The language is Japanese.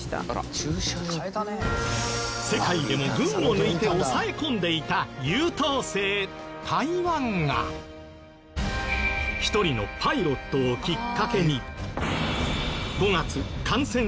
世界でも群を抜いて抑え込んでいた優等生台湾が一人のパイロットをきっかけに。